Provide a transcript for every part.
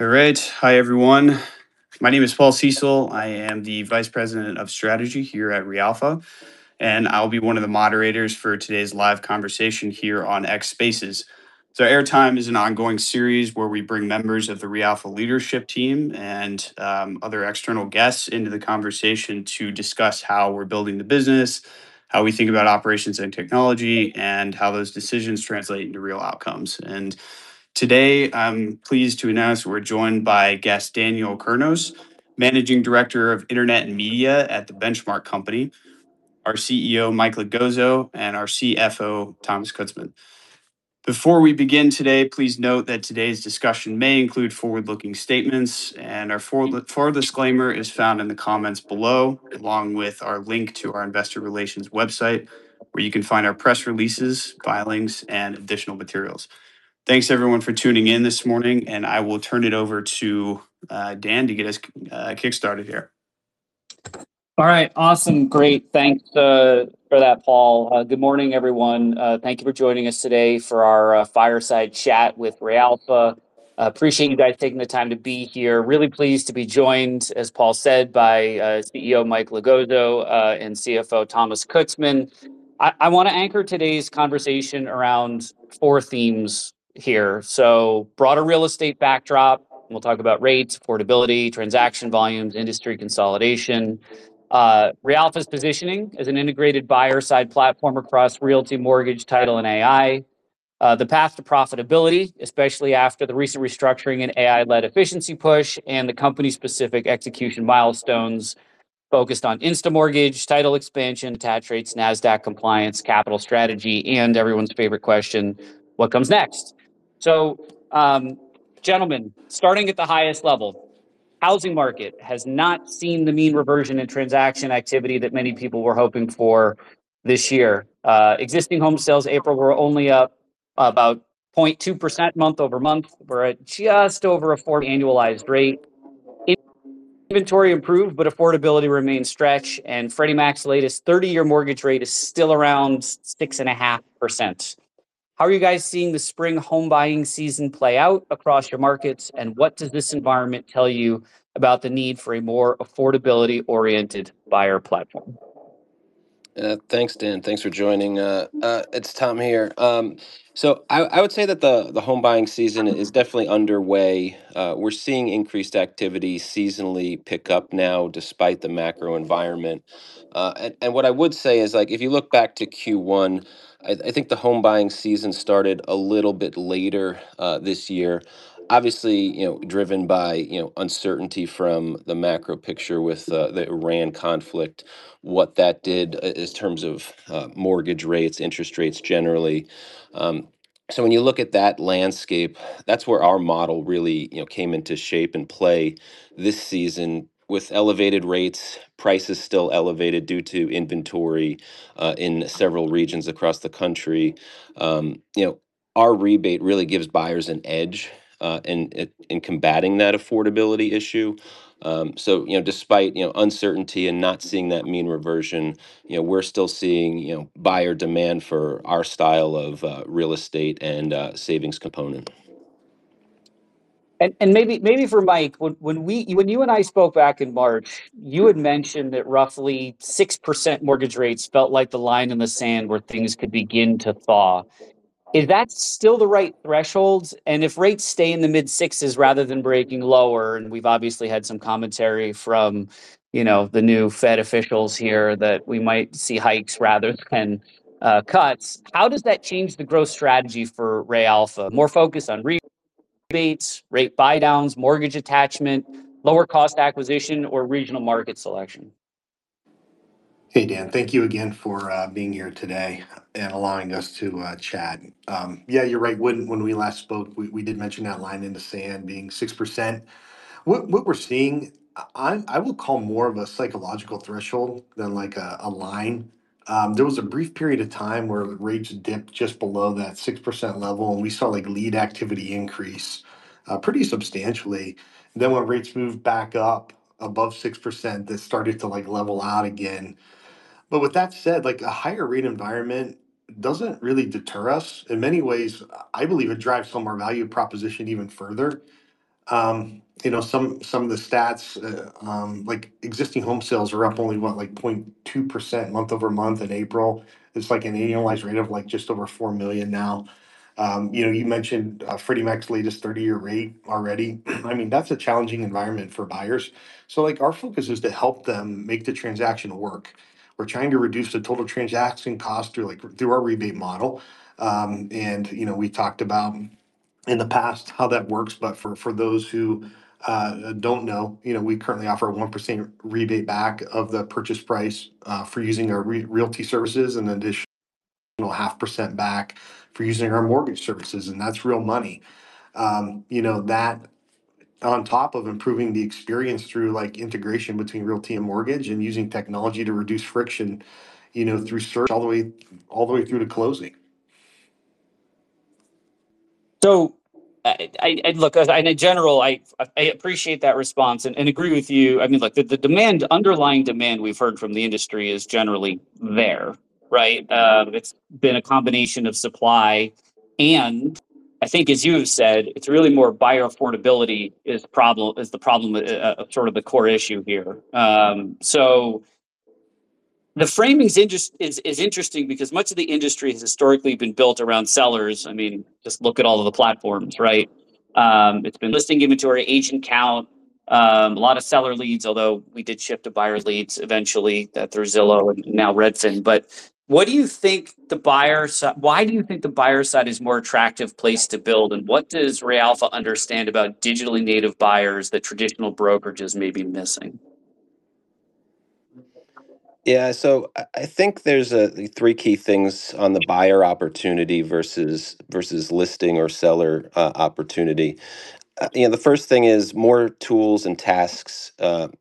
All right. Hi, everyone. My name is Paul Cecil. I am the Vice President of Strategy here at reAlpha, I'll be one of the moderators for today's live conversation here on X Spaces. AIRE Time is an ongoing series where we bring members of the reAlpha leadership team and other external guests into the conversation to discuss how we're building the business, how we think about operations and technology, and how those decisions translate into real outcomes. Today, I'm pleased to announce we're joined by guest Daniel Kurnos, Managing Director of Internet and Media at The Benchmark Company, our CEO, Mike Logozzo, and our CFO, Thomas Kutzman. Before we begin today, please note that today's discussion may include forward-looking statements. Our full disclaimer is found in the comments below, along with our link to our investor relations website, where you can find our press releases, filings, and additional materials. Thanks everyone for tuning in this morning. I will turn it over to Dan to get us kickstarted here. All right. Awesome. Great. Thanks for that, Paul. Good morning, everyone. Thank you for joining us today for our fireside chat with reAlpha. Appreciate you guys taking the time to be here. Really pleased to be joined, as Paul said, by CEO Mike Logozzo, and CFO Thomas Kutzman. I want to anchor today's conversation around four themes here. Broader real estate backdrop. We'll talk about rates, affordability, transaction volumes, industry consolidation. reAlpha's positioning as an integrated buyer-side platform across realty, mortgage, title, and AI. The path to profitability, especially after the recent restructuring and AI-led efficiency push, and the company's specific execution milestones focused on InstaMortgage, title expansion, attached rates, NASDAQ compliance, capital strategy, and everyone's favorite question, what comes next? Gentlemen, starting at the highest level. Housing market has not seen the mean reversion in transaction activity that many people were hoping for this year. Existing home sales April were only up about 0.2% month-over-month. We're at just over a four annualized rate. Inventory improved, but affordability remains stretched, and Freddie Mac's latest 30-year mortgage rate is still around 6.5%. How are you guys seeing the spring home buying season play out across your markets, and what does this environment tell you about the need for a more affordability-oriented buyer platform? Thanks, Dan. Thanks for joining. It's Tom here. I would say that the home buying season is definitely underway. We're seeing increased activity seasonally pick up now despite the macro environment. What I would say is if you look back to Q1, I think the home buying season started a little bit later this year, obviously driven by uncertainty from the macro picture with the Iran conflict, what that did in terms of mortgage rates, interest rates generally. When you look at that landscape, that's where our model really came into shape and play this season with elevated rates, prices still elevated due to inventory in several regions across the country. Our rebate really gives buyers an edge in combating that affordability issue. Despite uncertainty and not seeing that mean reversion, we're still seeing buyer demand for our style of real estate and savings component. Maybe for Mike, when you and I spoke back in March, you had mentioned that roughly 6% mortgage rates felt like the line in the sand where things could begin to thaw. Is that still the right threshold? If rates stay in the mid sixes rather than breaking lower, and we've obviously had some commentary from the new Fed officials here that we might see hikes rather than cuts, how does that change the growth strategy for reAlpha? More focus on rebates, rate buydowns, mortgage attachment, lower cost acquisition, or regional market selection? Hey, Dan. Thank you again for being here today and allowing us to chat. Yeah, you're right. When we last spoke, we did mention that line in the sand being 6%. What we're seeing, I would call more of a psychological threshold than a line. There was a brief period of time where rates dipped just below that 6% level, and we saw lead activity increase pretty substantially. When rates moved back up above 6%, that started to level out again. With that said, a higher rate environment doesn't really deter us. In many ways, I believe it drives home our value proposition even further. Some of the stats, like existing home sales are up only, what, like 0.2% month-over-month in April. It's like an annualized rate of just over 4 million now. You mentioned Freddie Mac's latest 30-year rate already. That's a challenging environment for buyers. Our focus is to help them make the transaction work. We're trying to reduce the total transaction cost through our rebate model. We talked about in the past how that works. For those who don't know, we currently offer a 1% rebate back of the purchase price for using our realty services and additional 0.5% back for using our mortgage services, and that's real money. That on top of improving the experience through integration between realty and mortgage and using technology to reduce friction through search all the way through to closing. Look, in general, I appreciate that response and agree with you. The underlying demand we've heard from the industry is generally there. Right. It's been a combination of supply, and I think as you have said, it's really more buyer affordability is the problem, sort of the core issue here. The framing is interesting because much of the industry has historically been built around sellers. Just look at all of the platforms, right? It's been listing inventory, agent count, a lot of seller leads, although we did shift to buyer leads eventually through Zillow and now Redfin. Why do you think the buyer side is the more attractive place to build, and what does reAlpha understand about digitally native buyers that traditional brokerages may be missing? Yeah. I think there's three key things on the buyer opportunity versus listing or seller opportunity. The first thing is more tools and tasks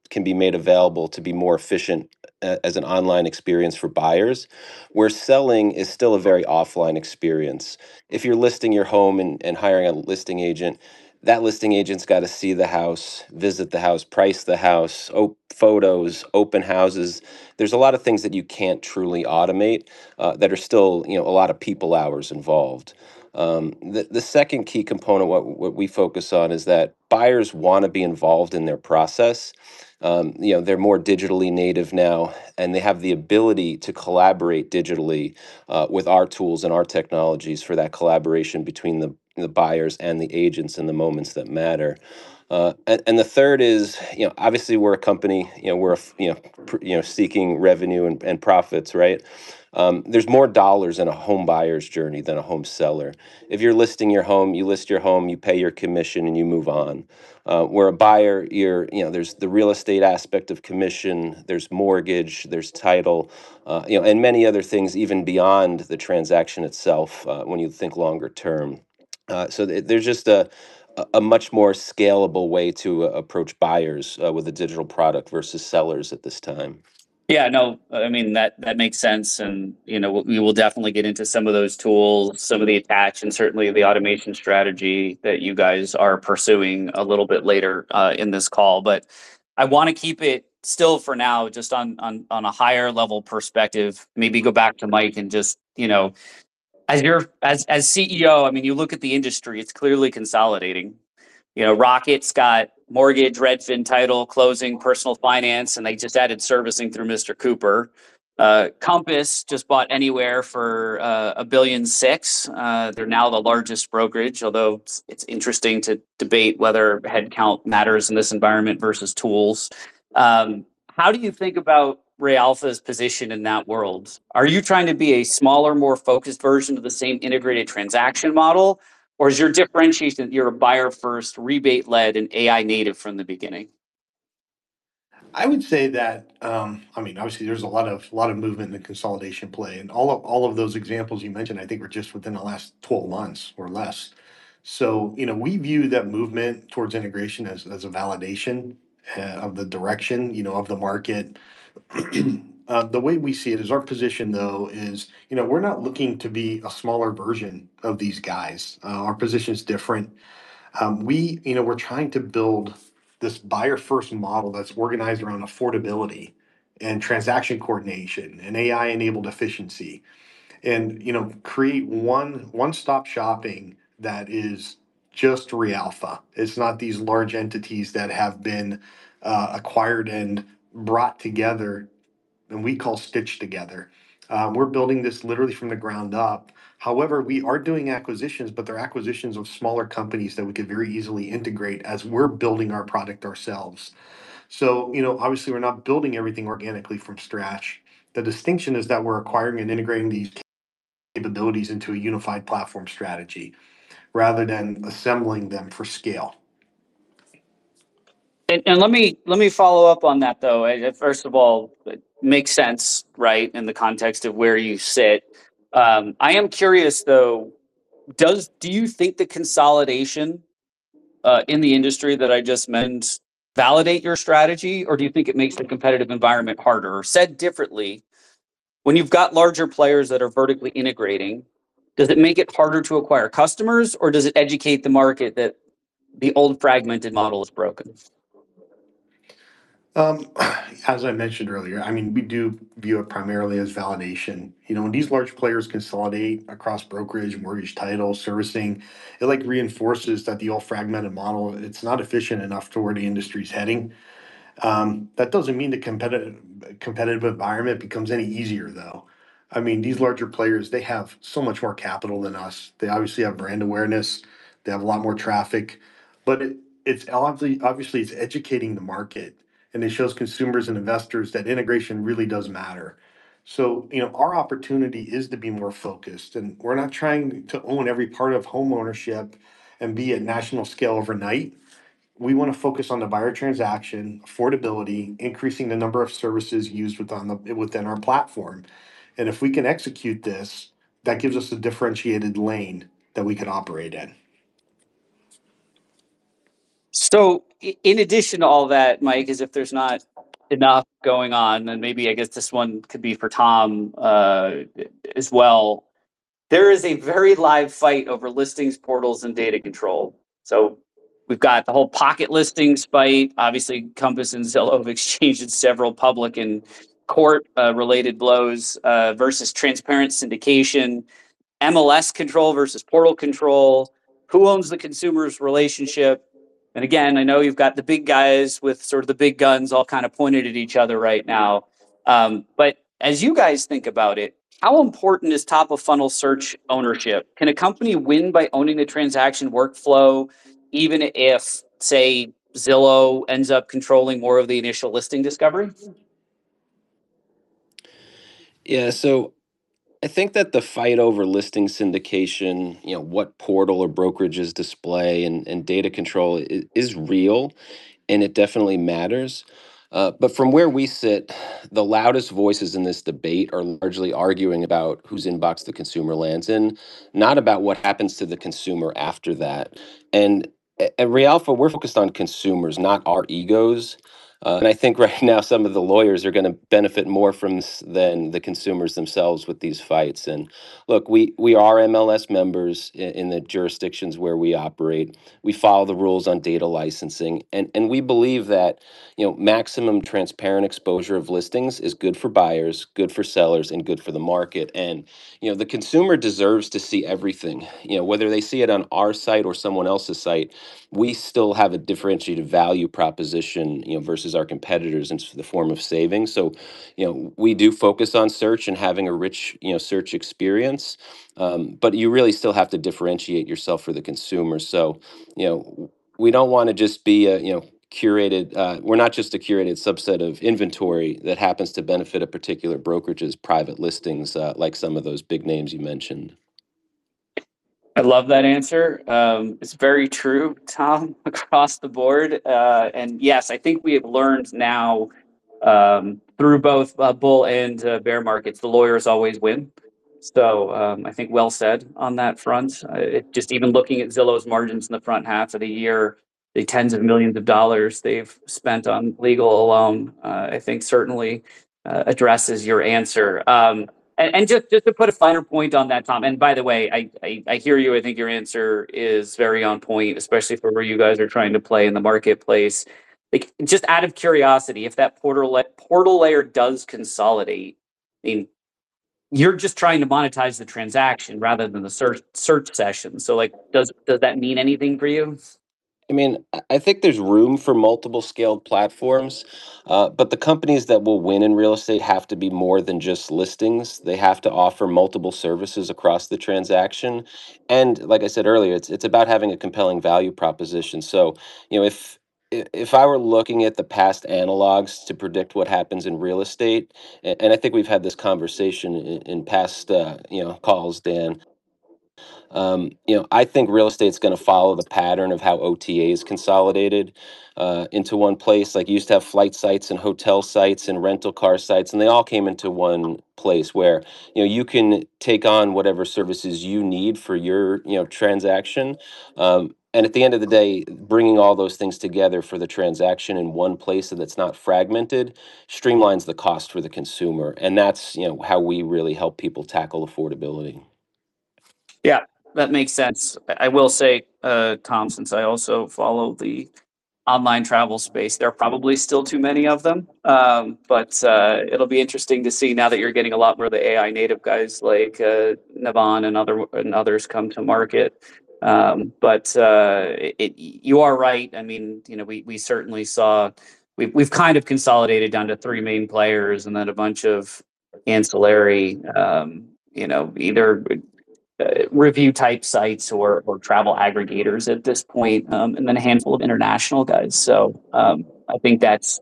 can be made available to be more efficient as an online experience for buyers, where selling is still a very offline experience. If you're listing your home and hiring a listing agent, that listing agent's got to see the house, visit the house, price the house, photos, open houses. There's a lot of things that you can't truly automate, that are still a lot of people hours involved. The second key component what we focus on is that buyers want to be involved in their process. They're more digitally native now, and they have the ability to collaborate digitally, with our tools and our technologies for that collaboration between the buyers and the agents in the moments that matter. The third is, obviously we're a company, we're seeking revenue and profits, right? There's more dollars in a home buyer's journey than a home seller. If you're listing your home, you list your home, you pay your commission, and you move on. Where a buyer, there's the real estate aspect of commission, there's mortgage, there's title, and many other things even beyond the transaction itself, when you think longer-term. There's just a much more scalable way to approach buyers with a digital product versus sellers at this time. Yeah, no, that makes sense. We will definitely get into some of those tools, some of the attach, and certainly the automation strategy that you guys are pursuing a little bit later, in this call. I want to keep it still for now just on a higher level perspective. Maybe go back to Mike and just, as CEO, you look at the industry, it's clearly consolidating. Rocket Companies got mortgage, Redfin Title, closing, personal finance, and they just added servicing through Mr. Cooper. Compass just bought anywhere for a $1.6 billion. They're now the largest brokerage, although it's interesting to debate whether headcount matters in this environment versus tools. How do you think about reAlpha Tech Corp.'s position in that world? Are you trying to be a smaller, more focused version of the same integrated transaction model, or is your differentiation that you're a buyer first, rebate led, and AI native from the beginning? I would say that, obviously there's a lot of movement in the consolidation play, and all of those examples you mentioned I think were just within the last 12 months or less. We view that movement towards integration as a validation of the direction of the market. The way we see it is our position, though, is we're not looking to be a smaller version of these guys. Our position is different. We're trying to build this buyer first model that's organized around affordability and transaction coordination and AI-enabled efficiency and create one stop shopping that is just reAlpha. It's not these large entities that have been acquired and brought together and we call stitched together. We're building this literally from the ground up. However, we are doing acquisitions, but they're acquisitions of smaller companies that we could very easily integrate as we're building our product ourselves. Obviously we're not building everything organically from scratch. The distinction is that we're acquiring and integrating these capabilities into a unified platform strategy rather than assembling them for scale. Let me follow up on that, though. First of all, it makes sense, right, in the context of where you sit. I am curious, though, do you think the consolidation in the industry that I just mentioned validate your strategy, or do you think it makes the competitive environment harder? Said differently, when you've got larger players that are vertically integrating, does it make it harder to acquire customers, or does it educate the market that the old fragmented model is broken? As I mentioned earlier, we do view it primarily as validation. When these large players consolidate across brokerage, mortgage title, servicing, it reinforces that the old fragmented model, it's not efficient enough to where the industry's heading. That doesn't mean the competitive environment becomes any easier, though. These larger players, they have so much more capital than us. They obviously have brand awareness. They have a lot more traffic. Obviously, it's educating the market, and it shows consumers and investors that integration really does matter. Our opportunity is to be more focused, and we're not trying to own every part of home ownership and be at national scale overnight. We want to focus on the buyer transaction, affordability, increasing the number of services used within our platform. If we can execute this, that gives us a differentiated lane that we can operate in. In addition to all that, Mike, as if there's not enough going on, and maybe I guess this one could be for Tom, as well. There is a very live fight over listings, portals, and data control. We've got the whole pocket listings fight, obviously, Compass and Zillow have exchanged several public and court related blows versus transparent syndication, MLS control versus portal control, who owns the consumer's relationship. Again, I know you've got the big guys with sort of the big guns all kind of pointed at each other right now. As you guys think about it, how important is top-of-funnel search ownership? Can a company win by owning the transaction workflow, even if, say, Zillow ends up controlling more of the initial listing discovery? Yeah. I think that the fight over listing syndication, what portal or brokerages display and data control is real, and it definitely matters. From where we sit, the loudest voices in this debate are largely arguing about whose inbox the consumer lands in, not about what happens to the consumer after that. At reAlpha, we're focused on consumers, not our egos. I think right now some of the lawyers are going to benefit more from this than the consumers themselves with these fights. Look, we are MLS members in the jurisdictions where we operate. We follow the rules on data licensing. We believe that maximum transparent exposure of listings is good for buyers, good for sellers, and good for the market. The consumer deserves to see everything. Whether they see it on our site or someone else's site, we still have a differentiated value proposition, versus our competitors in the form of savings. We do focus on search and having a rich search experience. You really still have to differentiate yourself for the consumer. We're not just a curated subset of inventory that happens to benefit a particular brokerage's private listings, like some of those big names you mentioned. I love that answer. It's very true, Tom, across the board. Yes, I think we have learned now, through both bull and bear markets, the lawyers always win. I think well said on that front. Just even looking at Zillow's margins in the front half of the year, the $tens of millions they've spent on legal alone, I think certainly addresses your answer. Just to put a finer point on that, Tom, by the way, I hear you. I think your answer is very on point, especially for where you guys are trying to play in the marketplace. Just out of curiosity, if that portal layer does consolidate, you're just trying to monetize the transaction rather than the search session. Does that mean anything for you? I think there's room for multiple scaled platforms. The companies that will win in real estate have to be more than just listings. They have to offer multiple services across the transaction. Like I said earlier, it's about having a compelling value proposition. If I were looking at the past analogs to predict what happens in real estate, I think we've had this conversation in past calls, Dan. I think real estate's going to follow the pattern of how OTA is consolidated into one place. Like you used to have flight sites and hotel sites and rental car sites, they all came into one place where you can take on whatever services you need for your transaction. At the end of the day, bringing all those things together for the transaction in one place that's not fragmented, streamlines the cost for the consumer. That's how we really help people tackle affordability. Yeah, that makes sense. I will say, Tom, since I also follow the online travel space, there are probably still too many of them. It'll be interesting to see now that you're getting a lot more of the AI native guys like Navan and others come to market. You are right. We've kind of consolidated down to three main players and then a bunch of ancillary either review type sites or travel aggregators at this point. Then a handful of international guys. I think that's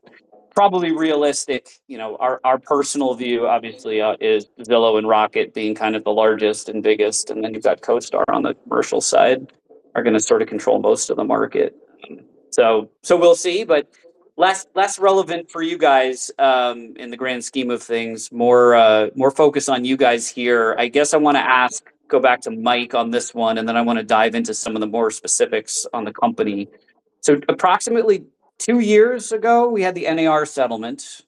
probably realistic. Our personal view obviously is Zillow and Rocket being kind of the largest and biggest, and then you've got CoStar on the commercial side, are going to sort of control most of the market. We'll see, but less relevant for you guys, in the grand scheme of things. More focus on you guys here. I guess I want to ask, go back to Mike on this one, and then I want to dive into some of the more specifics on the company. Approximately two years ago, we had the NAR settlement.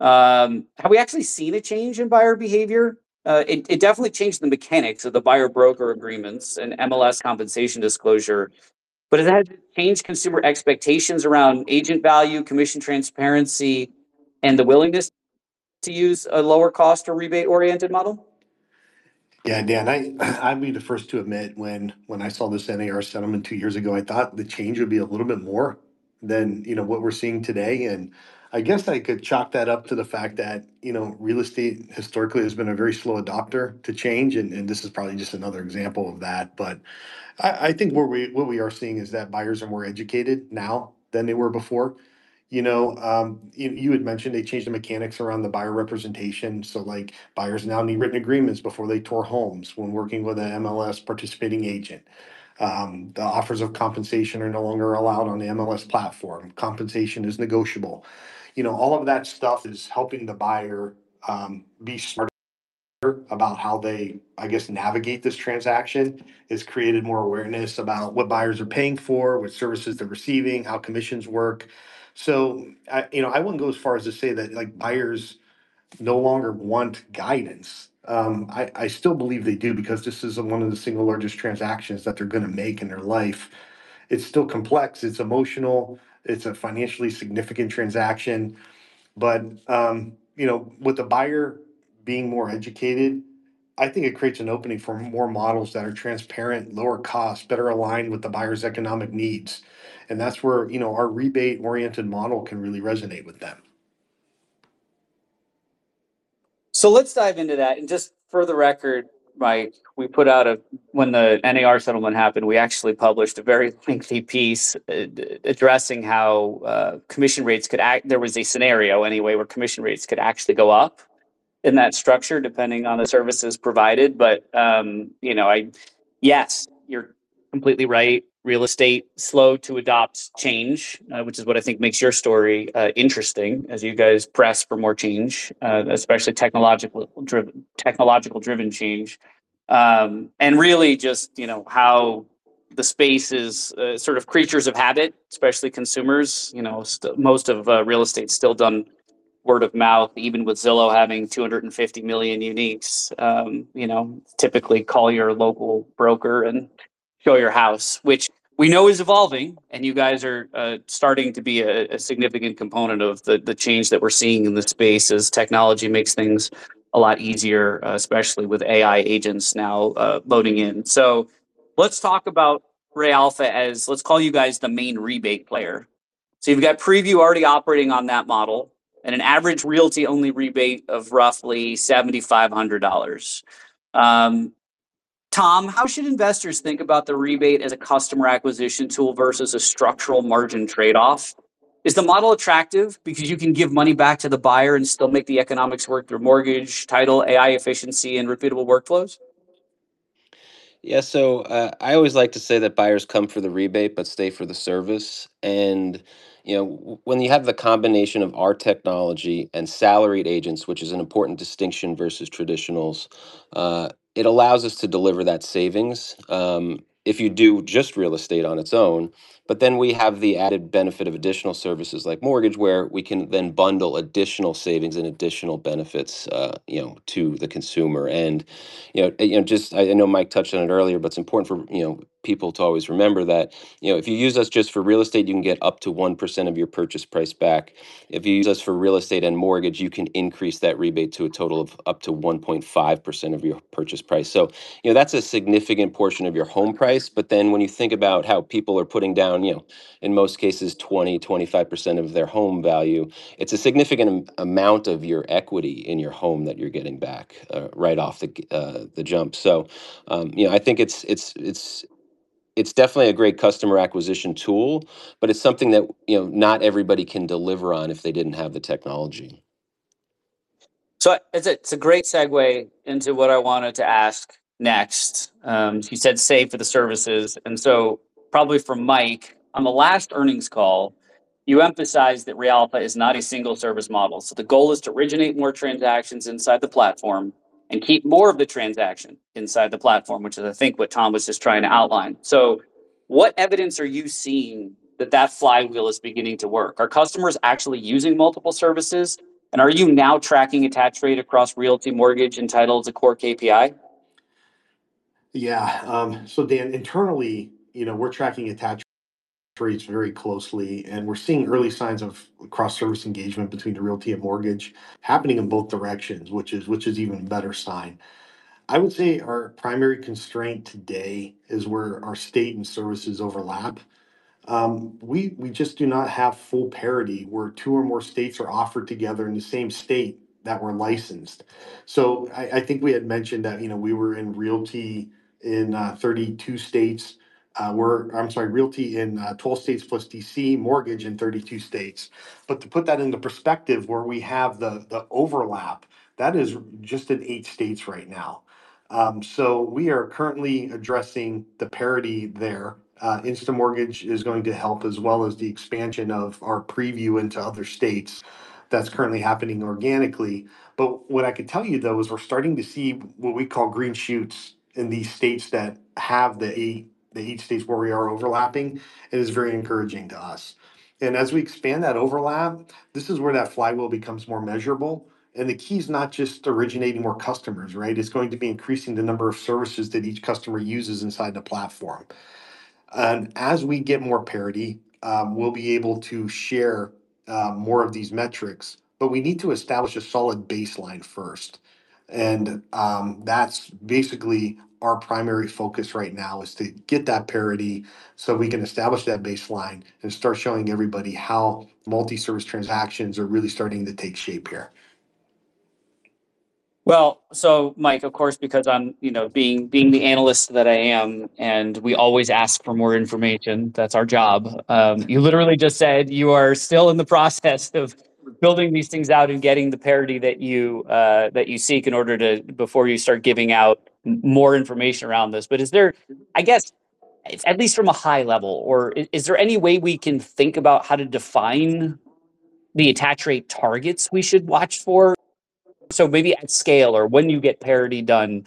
Have we actually seen a change in buyer behavior? It definitely changed the mechanics of the buyer-broker agreements and MLS compensation disclosure, has that changed consumer expectations around agent value, commission transparency, and the willingness to use a lower cost or rebate oriented model? Yeah, Dan, I'd be the first to admit when I saw this NAR settlement two years ago, I thought the change would be a little bit more than what we're seeing today. I guess I could chalk that up to the fact that real estate historically has been a very slow adopter to change, and this is probably just another example of that. I think what we are seeing is that buyers are more educated now than they were before. You had mentioned they changed the mechanics around the buyer representation, buyers now need written agreements before they tour homes when working with an MLS participating agent. The offers of compensation are no longer allowed on the MLS platform. Compensation is negotiable. All of that stuff is helping the buyer, be smarter about how they navigate this transaction. It's created more awareness about what buyers are paying for, what services they're receiving, how commissions work. I wouldn't go as far as to say that like buyers no longer want guidance. I still believe they do because this is one of the single largest transactions that they're going to make in their life. It's still complex, it's emotional, it's a financially significant transaction. With the buyer being more educated, I think it creates an opening for more models that are transparent, lower cost, better aligned with the buyer's economic needs. That's where our rebate-oriented model can really resonate with them. Let's dive into that. Just for the record, Mike, when the NAR settlement happened, we actually published a very lengthy piece addressing how there was a scenario anyway where commission rates could actually go up in that structure, depending on the services provided. Yes, you're completely right. Real estate, slow to adopt change, which is what I think makes your story interesting as you guys press for more change, especially technological-driven change. Really just how the space is sort of creatures of habit, especially consumers. Most of real estate's still done word of mouth, even with Zillow having 250 million uniques. Typically call your local broker and show your house, which we know is evolving, and you guys are starting to be a significant component of the change that we're seeing in the space as technology makes things a lot easier, especially with AI agents now loading in. Let's talk about reAlpha as, let's call you guys the main rebate player. You've got Prevu already operating on that model and an average realty-only rebate of roughly $7,500. Tom, how should investors think about the rebate as a customer acquisition tool versus a structural margin trade-off? Is the model attractive because you can give money back to the buyer and still make the economics work through mortgage, title, AI efficiency, and repeatable workflows? I always like to say that buyers come for the rebate but stay for the service. When you have the combination of our technology and salaried agents, which is an important distinction versus traditionals, it allows us to deliver that savings if you do just real estate on its own, we have the added benefit of additional services like mortgage where we can then bundle additional savings and additional benefits to the consumer. I know Mike touched on it earlier, but it's important for people to always remember that if you use us just for real estate, you can get up to 1% of your purchase price back. If you use us for real estate and mortgage, you can increase that rebate to a total of up to 1.5% of your purchase price. That's a significant portion of your home price. When you think about how people are putting down, in most cases, 20%, 25% of their home value, it's a significant amount of your equity in your home that you're getting back right off the jump. I think it's definitely a great customer acquisition tool, but it's something that not everybody can deliver on if they didn't have the technology. It's a great segue into what I wanted to ask next. You said stay for the services, and so probably for Mike, on the last earnings call, you emphasized that reAlpha is not a single service model. The goal is to originate more transactions inside the platform and keep more of the transaction inside the platform, which is I think what Tom was just trying to outline. What evidence are you seeing that that flywheel is beginning to work? Are customers actually using multiple services, and are you now tracking attach rate across realty, mortgage, and title as a core KPI? Dan, internally, we're tracking attach rates very closely, and we're seeing early signs of cross-service engagement between the realty and mortgage happening in both directions, which is an even better sign. I would say our primary constraint today is where our state and services overlap. We just do not have full parity where two or more states are offered together in the same state that we're licensed. I think we had mentioned that we were in realty in 12 states plus D.C., mortgage in 32 states. To put that into perspective where we have the overlap, that is just in eight states right now. We are currently addressing the parity there. InstaMortgage is going to help as well as the expansion of our Prevu into other states. That's currently happening organically. What I can tell you, though, is we're starting to see what we call green shoots in the eight states where we are overlapping. It is very encouraging to us. As we expand that overlap, this is where that flywheel becomes more measurable. The key is not just originating more customers, right? It's going to be increasing the number of services that each customer uses inside the platform. As we get more parity, we'll be able to share more of these metrics, but we need to establish a solid baseline first. That's basically our primary focus right now is to get that parity so we can establish that baseline and start showing everybody how multi-service transactions are really starting to take shape here. Mike, of course, because being the analyst that I am and we always ask for more information, that's our job. You literally just said you are still in the process of building these things out and getting the parity that you seek before you start giving out more information around this. Is there, I guess, at least from a high level, or is there any way we can think about how to define the attach rate targets we should watch for? Maybe at scale or when you get parity done,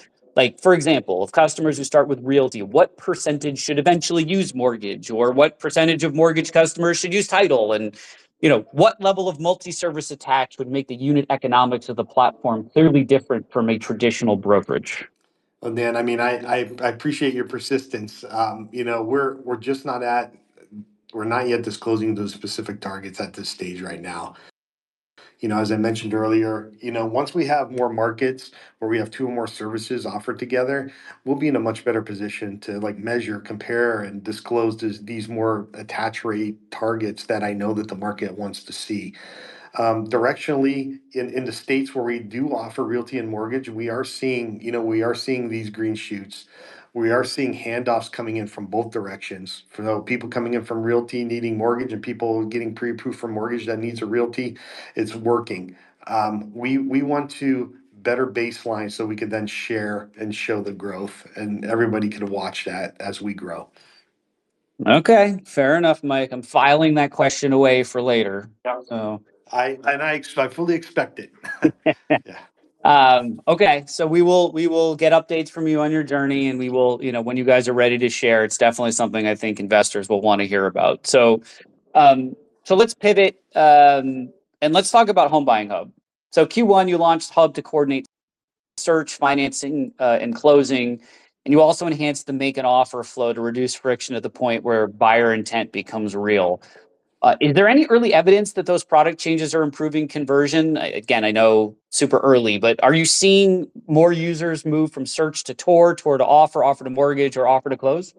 for example, if customers who start with realty, what percentage should eventually use mortgage? What percentage of mortgage customers should use title? What level of multi-service attach would make the unit economics of the platform clearly different from a traditional brokerage? Dan, I appreciate your persistence. We're not yet disclosing those specific targets at this stage right now. As I mentioned earlier, once we have more markets where we have two or more services offered together, we'll be in a much better position to measure, compare, and disclose these more attach rate targets that I know that the market wants to see. Directionally, in the states where we do offer realty and mortgage, we are seeing these green shoots. We are seeing handoffs coming in from both directions. From the people coming in from realty needing mortgage, and people getting pre-approved for mortgage that needs a realty. It's working. We want to better baseline so we could then share and show the growth and everybody could watch that as we grow. Okay. Fair enough, Mike. I'm filing that question away for later. Yeah. I fully expect it. Okay. We will get updates from you on your journey and when you guys are ready to share, it's definitely something I think investors will want to hear about. Let's pivot, and let's talk about Home Buying Hub. Q1, you launched Hub to coordinate search, financing, and closing, and you also enhanced the make an offer flow to reduce friction to the point where buyer intent becomes real. Is there any early evidence that those product changes are improving conversion? Again, I know super early, but are you seeing more users move from search to tour to offer to mortgage, or offer to close?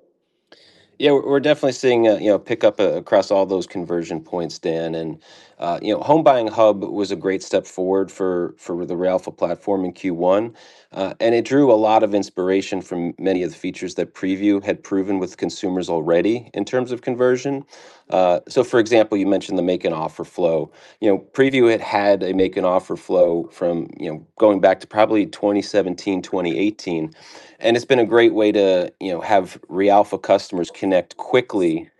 Yeah, we're definitely seeing a pickup across all those conversion points, Dan. Home Buying Hub was a great step forward for the reAlpha platform in Q1. It drew a lot of inspiration from many of the features that Prevu had proven with consumers already in terms of conversion. For example, you mentioned the make an offer flow. Prevu had had a make an offer flow from going back to probably 2017, 2018, and it's been a great way to have reAlpha customers connect quickly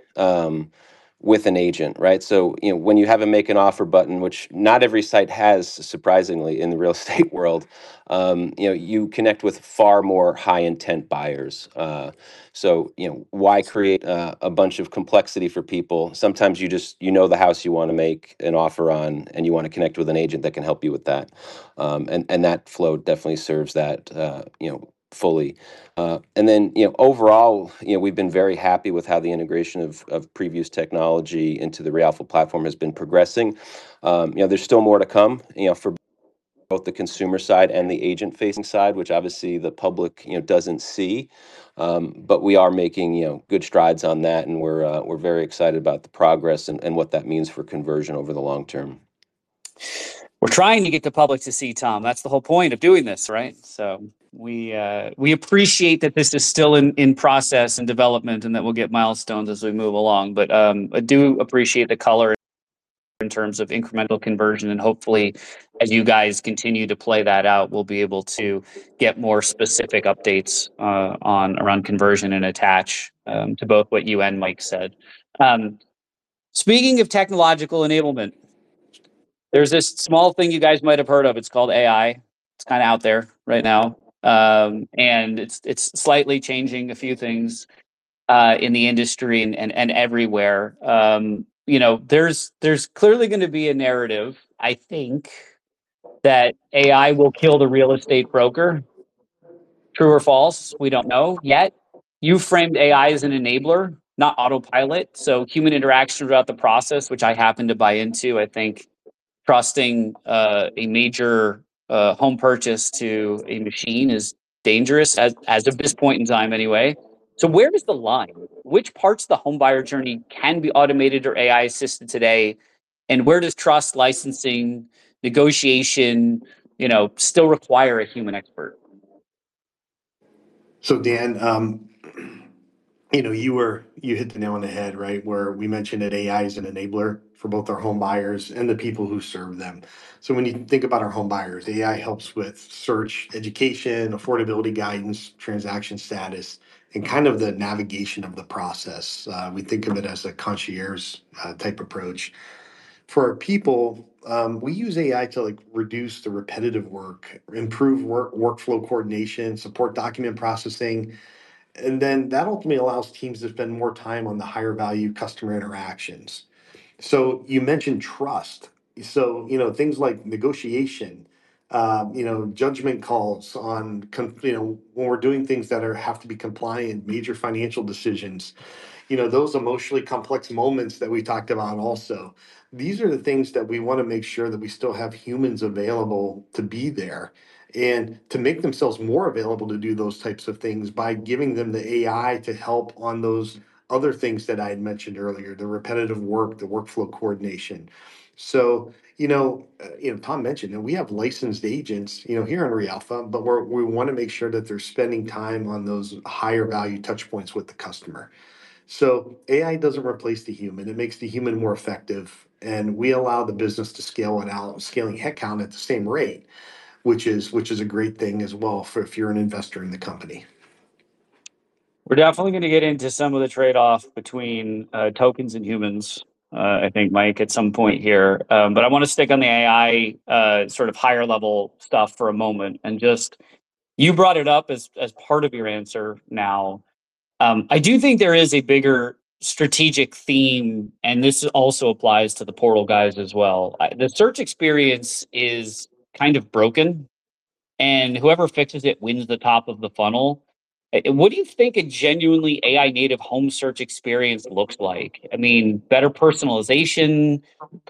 with an agent. Right? When you have a make an offer button, which not every site has, surprisingly, in the real estate world, you connect with far more high-intent buyers. Why create a bunch of complexity for people? Sometimes you know the house you want to make an offer on, and you want to connect with an agent that can help you with that. That flow definitely serves that fully. Overall, we've been very happy with how the integration of Prevu's technology into the reAlpha platform has been progressing. There's still more to come for both the consumer side and the agent-facing side, which obviously the public doesn't see. We are making good strides on that and we're very excited about the progress and what that means for conversion over the long-term. We're trying to get the public to see, Tom. That's the whole point of doing this, right? We appreciate that this is still in process, in development, and that we'll get milestones as we move along. I do appreciate the color in terms of incremental conversion and hopefully as you guys continue to play that out, we'll be able to get more specific updates around conversion and attach to both what you and Mike said. Speaking of technological enablement, there's this small thing you guys might have heard of. It's called AI. It's kind of out there right now. It's slightly changing a few things in the industry and everywhere. There's clearly going to be a narrative, I think, that AI will kill the real estate broker. True or false, we don't know yet. You framed AI as an enabler, not autopilot, so human interaction throughout the process, which I happen to buy into. I think trusting a major home purchase to a machine is dangerous, as of this point in time anyway. Where is the line? Which parts of the home buyer journey can be automated or AI assisted today, and where does trust, licensing, negotiation still require a human expert? Dan, you hit the nail on the head, right, where we mentioned that AI is an enabler for both our home buyers and the people who serve them. When you think about our home buyers, AI helps with search, education, affordability guidance, transaction status, and kind of the navigation of the process. We think of it as a concierge type approach. For our people, we use AI to reduce the repetitive work, improve workflow coordination, support document processing, and then that ultimately allows teams to spend more time on the higher value customer interactions. You mentioned trust. Things like negotiation, judgment calls on when we're doing things that have to be compliant, major financial decisions, those emotionally complex moments that we talked about also. These are the things that we want to make sure that we still have humans available to be there, and to make themselves more available to do those types of things by giving them the AI to help on those other things that I had mentioned earlier, the repetitive work, the workflow coordination. Tom mentioned, we have licensed agents here in reAlpha, but we want to make sure that they're spending time on those higher value touchpoints with the customer. AI doesn't replace the human. It makes the human more effective, and we allow the business to scale without scaling headcount at the same rate. Which is a great thing as well if you're an investor in the company. We're definitely going to get into some of the trade-off between tokens and humans, I think, Mike, at some point here. I want to stick on the AI sort of higher level stuff for a moment and just, you brought it up as part of your answer. Now, I do think there is a bigger strategic theme, and this also applies to the portal guys as well. The search experience is kind of broken, and whoever fixes it wins the top of the funnel. What do you think a genuinely AI-native home search experience looks like? Better personalization,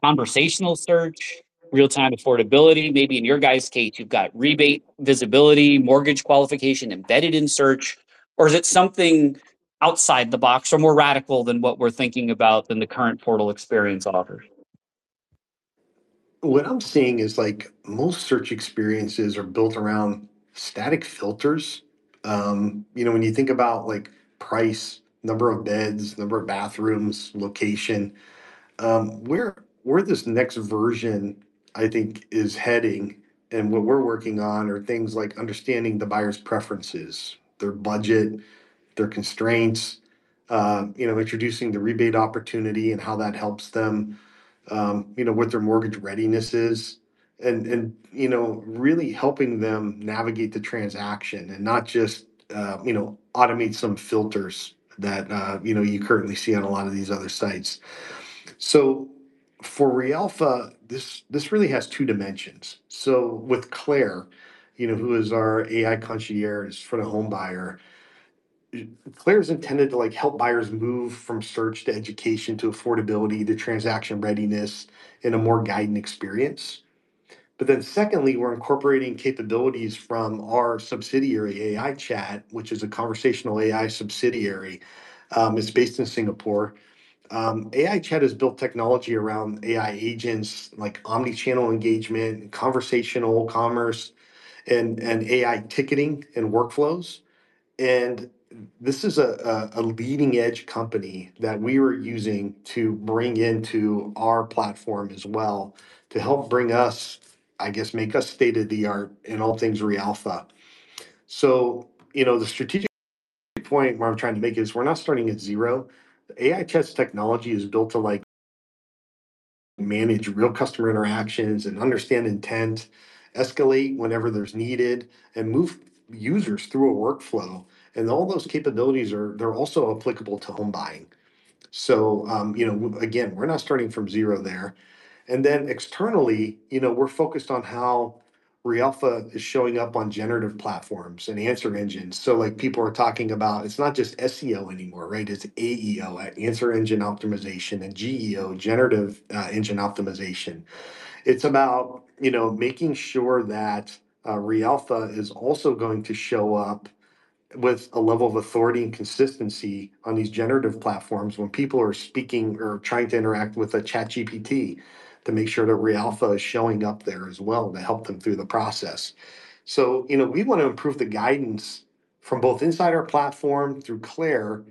conversational search, real-time affordability? Maybe in your guys' case, you've got rebate visibility, mortgage qualification embedded in search. Is it something outside the box or more radical than what we're thinking about than the current portal experience offers? What I'm seeing is most search experiences are built around static filters. When you think about price, number of beds, number of bathrooms, location, where this next version, I think, is heading and what we're working on are things like understanding the buyer's preferences, their budget, their constraints. Introducing the rebate opportunity and how that helps them, what their mortgage readiness is. Really helping them navigate the transaction and not just automate some filters that you currently see on a lot of these other sites. For reAlpha, this really has two dimensions. With Claire, who is our AI concierge for the home buyer, Claire's intended to help buyers move from search to education, to affordability, to transaction readiness in a more guided experience. Secondly, we're incorporating capabilities from our subsidiary, AiChat, which is a conversational AI subsidiary. It's based in Singapore. AiChat has built technology around AI agents like omnichannel engagement, conversational commerce, and AI ticketing and workflows. This is a leading-edge company that we are using to bring into our platform as well to help bring us, I guess, make us state of the art in all things reAlpha. The strategic point where I'm trying to make is we're not starting at zero. The AiChat technology is built to manage real customer interactions and understand intent, escalate whenever there's needed, and move users through a workflow. All those capabilities are also applicable to homebuying. Again, we're not starting from zero there. Externally, we're focused on how reAlpha is showing up on generative platforms and answer engines. Like people are talking about, it's not just SEO anymore, right? It's AEO, answer engine optimization, and GEO, generative engine optimization. It's about making sure that reAlpha is also going to show up with a level of authority and consistency on these generative platforms when people are speaking or trying to interact with a ChatGPT, to make sure that reAlpha is showing up there as well to help them through the process. We want to improve the guidance from both inside our platform through Claire,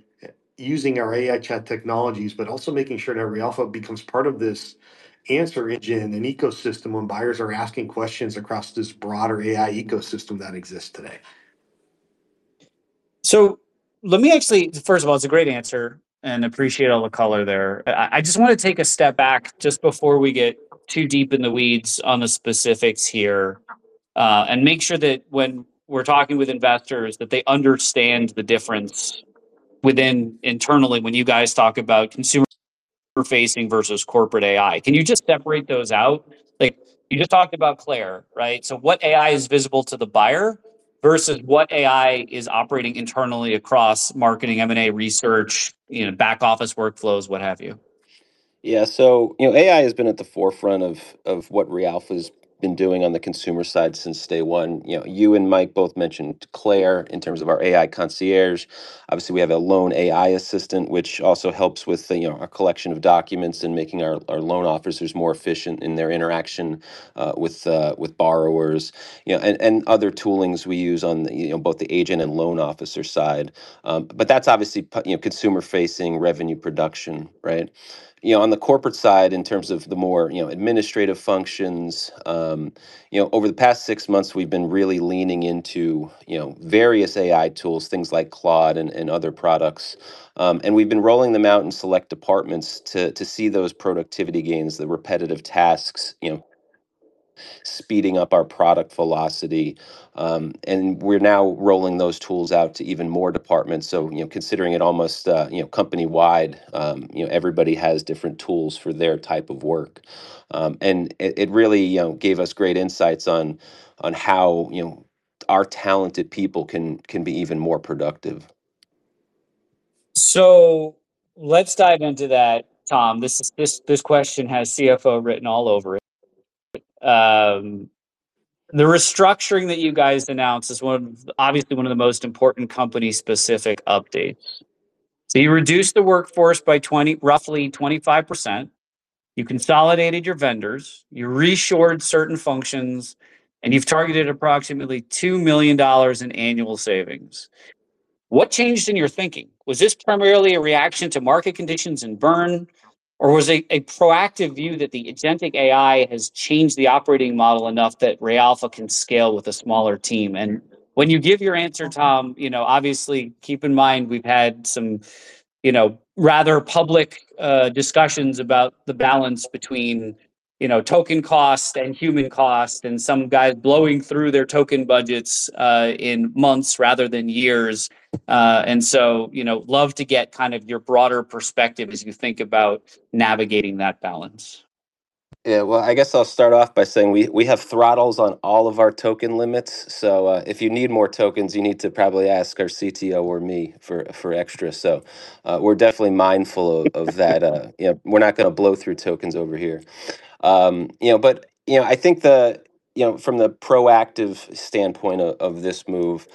using our AiChat, but also making sure that reAlpha becomes part of this answer engine and ecosystem when buyers are asking questions across this broader AI ecosystem that exists today. Let me actually, first of all, it's a great answer, and I appreciate all the color there. I just want to take a step back just before we get too deep in the weeds on the specifics here. Make sure that when we're talking with investors, that they understand the difference within internally when you guys talk about consumer-facing versus corporate AI. Can you just separate those out? You just talked about Claire, right? What AI is visible to the buyer versus what AI is operating internally across marketing, M&A research, back office workflows, what have you? AI has been at the forefront of what reAlpha's been doing on the consumer side since day one. You and Mike both mentioned Claire in terms of our AI concierge. Obviously, we have a loan AI assistant, which also helps with our collection of documents and making our loan officers more efficient in their interaction with borrowers, and other toolings we use on both the agent and loan officer side. That's obviously consumer-facing revenue production, right? On the corporate side, in terms of the more administrative functions, over the past six months, we've been really leaning into various AI tools, things like Claude and other products. We've been rolling them out in select departments to see those productivity gains, the repetitive tasks, speeding up our product velocity. We're now rolling those tools out to even more departments. Considering it almost company-wide. Everybody has different tools for their type of work. It really gave us great insights on how our talented people can be even more productive. Let's dive into that, Tom. This question has CFO written all over it. The restructuring that you guys announced is obviously one of the most important company-specific updates. You reduced the workforce by roughly 25%. You consolidated your vendors, you re-shored certain functions, and you've targeted approximately $2 million in annual savings. What changed in your thinking? Was this primarily a reaction to market conditions and burn, or was it a proactive view that the agentic AI has changed the operating model enough that reAlpha can scale with a smaller team? When you give your answer, Tom, obviously keep in mind we've had some rather public discussions about the balance between token cost and human cost and some guys blowing through their token budgets in months rather than years. Love to get your broader perspective as you think about navigating that balance. Yeah. Well, I guess I'll start off by saying we have throttles on all of our token limits. If you need more tokens, you need to probably ask our CTO or me for extra. We're definitely mindful of that. We're not going to blow through tokens over here. I think from the proactive standpoint of this move,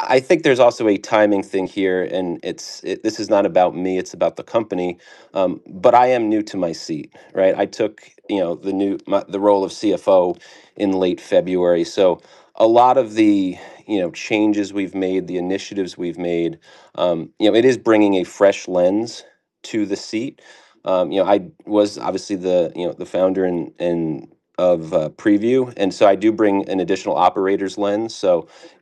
I think there's also a timing thing here, and this is not about me, it's about the company, but I am new to my seat, right? I took the role of CFO in late February, so a lot of the changes we've made, the initiatives we've made, it is bringing a fresh lens to the seat. I was obviously the founder of Prevu, and so I do bring an additional operator's lens.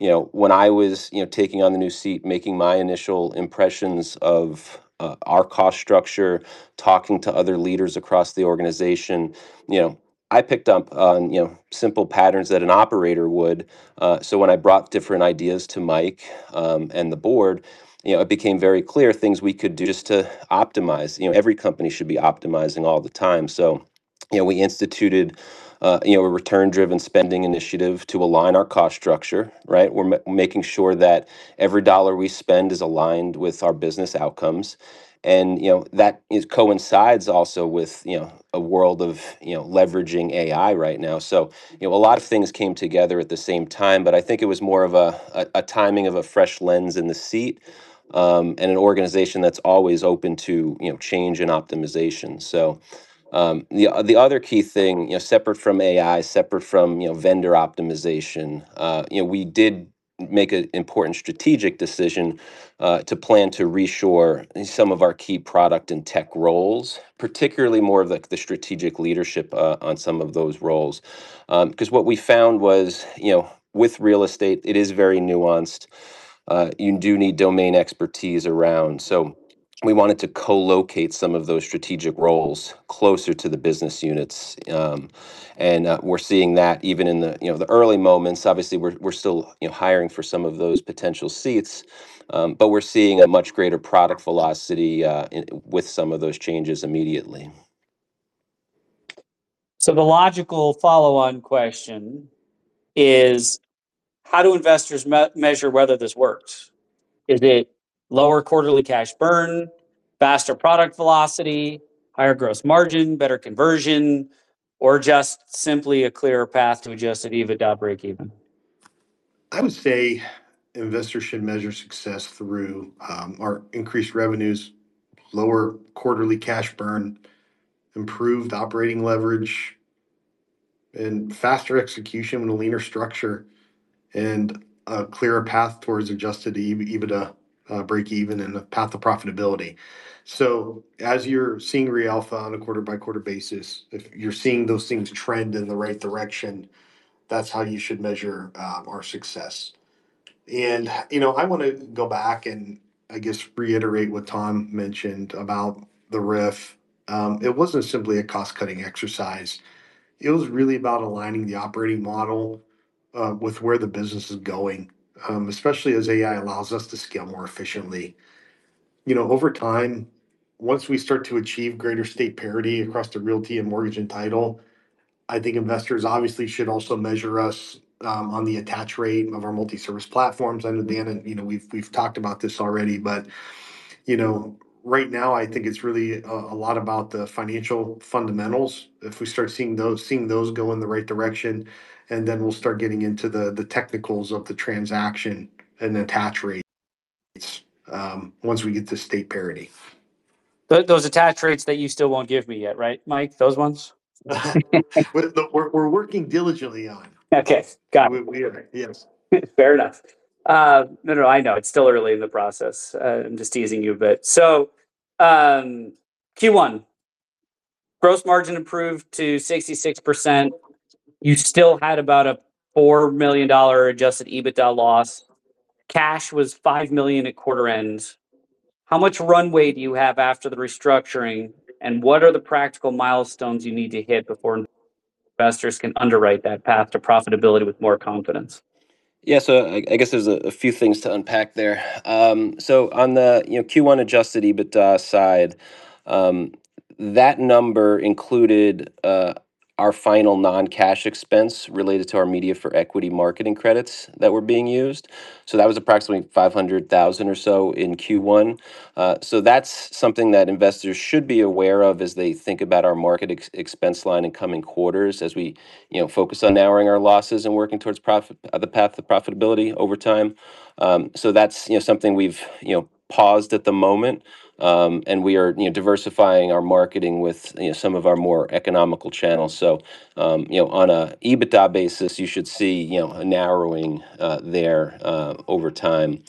When I was taking on the new seat, making my initial impressions of our cost structure, talking to other leaders across the organization, I picked up on simple patterns that an operator would. When I brought different ideas to Mike, and the board, it became very clear things we could do just to optimize. Every company should be optimizing all the time. We instituted a return-driven spending initiative to align our cost structure, right? We're making sure that every dollar we spend is aligned with our business outcomes. That coincides also with a world of leveraging AI right now. A lot of things came together at the same time, but I think it was more of a timing of a fresh lens in the seat, and an organization that's always open to change and optimization. The other key thing, separate from AI, separate from vendor optimization, we did make an important strategic decision to plan to reshore some of our key product and tech roles, particularly more of the strategic leadership on some of those roles. What we found was with real estate, it is very nuanced. You do need domain expertise around. We wanted to co-locate some of those strategic roles closer to the business units. We're seeing that even in the early moments. Obviously, we're still hiring for some of those potential seats, but we're seeing a much greater product velocity with some of those changes immediately. The logical follow-on question is how do investors measure whether this works? Is it lower quarterly cash burn, faster product velocity, higher gross margin, better conversion, or just simply a clearer path to adjusted EBITDA breakeven? I would say investors should measure success through our increased revenues, lower quarterly cash burn, improved operating leverage, and faster execution with a leaner structure, and a clearer path towards adjusted EBITDA breakeven and a path to profitability. As you're seeing reAlpha on a quarter-by-quarter basis, if you're seeing those things trend in the right direction, that's how you should measure our success. I want to go back and I guess reiterate what Tom mentioned about the RIF. It wasn't simply a cost-cutting exercise. It was really about aligning the operating model with where the business is going, especially as AI allows us to scale more efficiently. Over time, once we start to achieve greater state parity across the realty and mortgage and title, I think investors obviously should also measure us on the attach rate of our multi-service platforms. I know, Dan. We've talked about this already. Right now, I think it's really a lot about the financial fundamentals. If we start seeing those go in the right direction and then we'll start getting into the technicals of the transaction and attach rates, once we get to state parity. Those attach rates that you still won't give me yet, right, Mike? Those ones? We're working diligently on. Okay. Got it. We are, yes. Fair enough. I know. It's still early in the process. I'm just teasing you a bit. Q1, gross margin improved to 66%. You still had about a $4 million adjusted EBITDA loss. Cash was $5 million at quarter end. How much runway do you have after the restructuring, and what are the practical milestones you need to hit before investors can underwrite that path to profitability with more confidence? I guess there's a few things to unpack there. On the Q1 adjusted EBITDA side, that number included our final non-cash expense related to our media for equity marketing credits that were being used. That was approximately $500,000 or so in Q1. That's something that investors should be aware of as they think about our market expense line in coming quarters as we focus on narrowing our losses and working towards the path to profitability over time. That's something we've paused at the moment. We are diversifying our marketing with some of our more economical channels. On a EBITDA basis, you should see a narrowing there over time.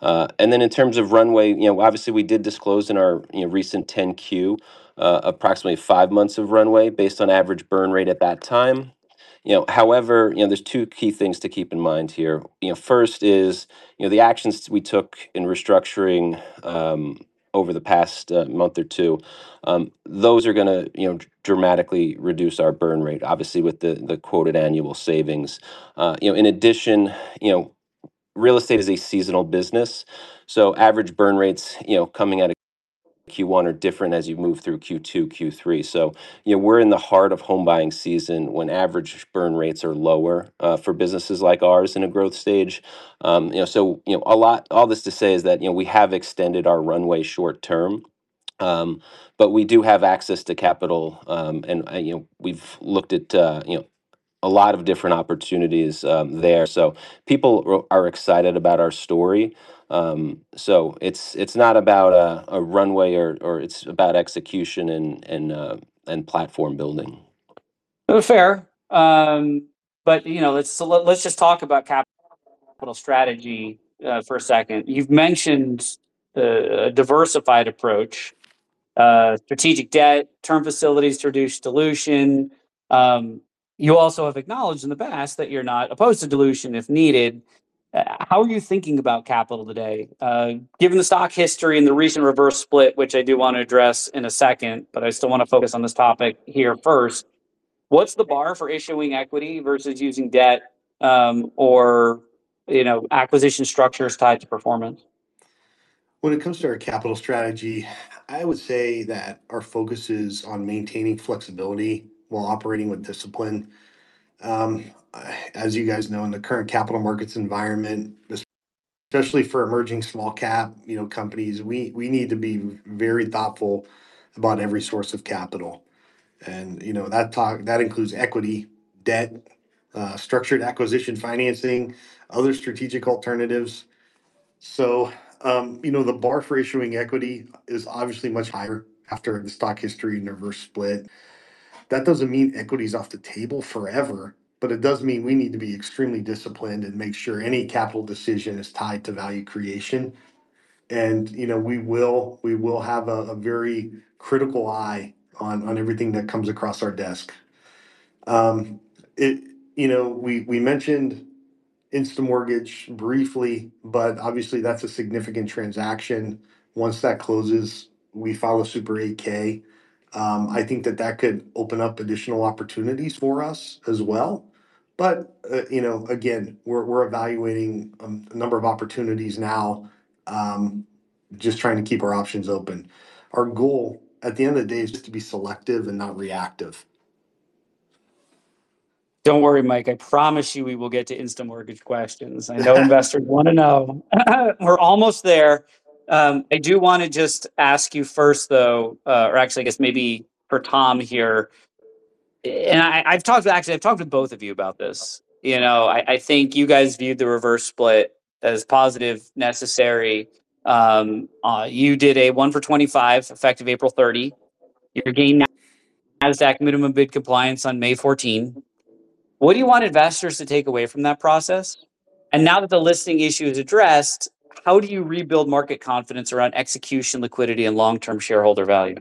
In terms of runway, obviously we did disclose in our recent 10-Q approximately five months of runway based on average burn rate at that time. There's two key things to keep in mind here. First, the actions we took in restructuring over the past month or two. Those are going to dramatically reduce our burn rate, obviously, with the quoted annual savings. Real estate is a seasonal business, so average burn rates coming out of Q1 are different as you move through Q2, Q3. We're in the heart of home buying season when average burn rates are lower for businesses like ours in a growth stage. All this to say, we have extended our runway short-term, but we do have access to capital, and we've looked at a lot of different opportunities there. People are excited about our story. It's not about a runway, or it's about execution and platform building. Fair. Let's just talk about capital strategy for a second. You've mentioned a diversified approach, strategic debt, term facilities to reduce dilution. You also have acknowledged in the past that you're not opposed to dilution if needed. How are you thinking about capital today? Given the stock history and the recent reverse split, which I do want to address in a second, but I still want to focus on this topic here first. What's the bar for issuing equity versus using debt, or acquisition structures tied to performance? When it comes to our capital strategy, I would say that our focus is on maintaining flexibility while operating with discipline. As you guys know, in the current capital markets environment, especially for emerging small-cap companies, we need to be very thoughtful about every source of capital. That includes equity, debt, structured acquisition financing, other strategic alternatives. The bar for issuing equity is obviously much higher after the stock history and reverse split. That doesn't mean equity's off the table forever, but it does mean we need to be extremely disciplined and make sure any capital decision is tied to value creation. We will have a very critical eye on everything that comes across our desk. We mentioned InstaMortgage briefly, but obviously that's a significant transaction. Once that closes, we file a Super 8-K. I think that that could open up additional opportunities for us as well. Again, we're evaluating a number of opportunities now, just trying to keep our options open. Our goal at the end of the day is just to be selective and not reactive. Don't worry, Mike, I promise you we will get to InstaMortgage questions. I know investors want to know. We're almost there. I do want to just ask you first, though, or actually, I guess maybe for Tom here, and I've talked with both of you about this. I think you guys viewed the reverse split as positive, necessary. You did a one for 25, effective April 30. You regained NASDAQ minimum bid compliance on May 14. What do you want investors to take away from that process? Now that the listing issue is addressed, how do you rebuild market confidence around execution, liquidity, and long-term shareholder value?